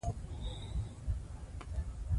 تاریخ د خوښۍ او خپګان سره ګډ دی.